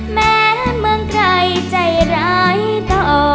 แม้เมืองไกลใจร้ายต่อ